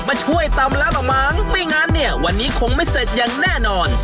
มาช่วยตำแล้วล่ะมั้งไม่งั้นเนี่ยวันนี้คงไม่เสร็จอย่างแน่นอน